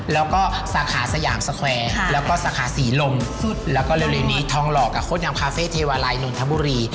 แล้วก็สาขาสยามสแควร์สาขาสี่ลมแล้วก็เรียบทองหลอกกับโคดยำพาเฟ่นุรธมบุรี